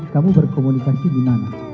kamu berkomunikasi dimana